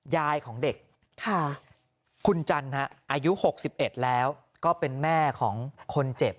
ยายของเด็กคุณจันทร์อายุ๖๑แล้วก็เป็นแม่ของคนเจ็บ